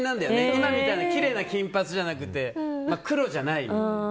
今みたいなきれいな金髪じゃなくて黒じゃない。